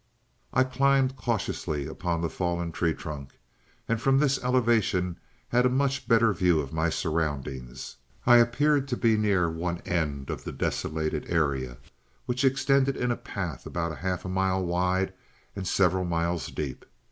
"I climbed cautiously upon the fallen tree trunk, and from this elevation had a much better view of my surroundings. I appeared to be near one end of the desolated area, which extended in a path about half a mile wide and several miles deep.